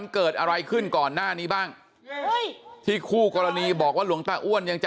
เกิดอะไรขึ้นก่อนหน้านี้บ้างที่คู่กรณีบอกว่าหลวงตาอ้วนยังจะ